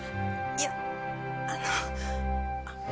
いやあの。